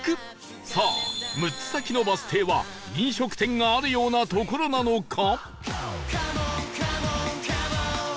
さあ６つ先のバス停は飲食店があるような所なのか？